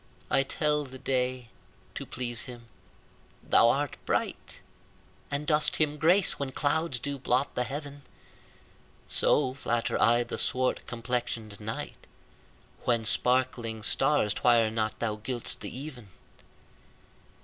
I tell the day, to please him thou art bright, And dost him grace when clouds do blot the heaven: So flatter I the swart complexion'd night, When sparkling stars twire not thou gild'st the even.